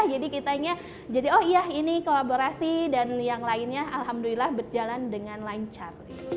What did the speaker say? jadi kitanya jadi oh iya ini kolaborasi dan yang lainnya alhamdulillah berjalan dengan lancar